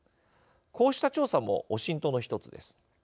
こうした調査もＯＳＩＮＴの１つです。